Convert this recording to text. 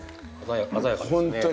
鮮やかですよね。